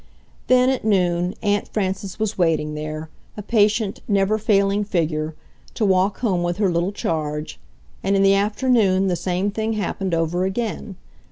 Then at noon Aunt Frances was waiting there, a patient, never failing figure, to walk home with her little charge; and in the afternoon the same thing happened over again.